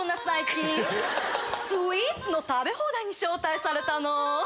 最近スイーツの食べ放題に招待されたの。